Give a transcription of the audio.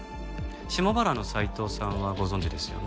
下原の斉藤さんはご存じですよね？